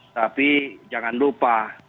tapi jangan lupa